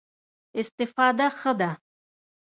استفاده ښه ده.